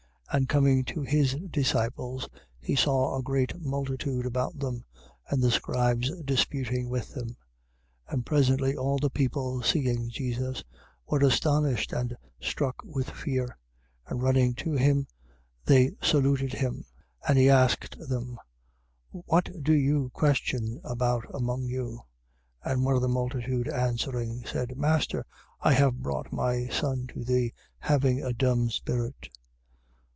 9:13. And coming to his disciples he saw a great multitude about them and the scribes disputing with them. 9:14. And presently all the people, seeing Jesus, were astonished and struck with fear: and running to him, they saluted him. 9:15. And he asked them: What do you question about among you? 9:16. And one of the multitude, answering, said: Master, I have brought my son to thee, having a dumb spirit.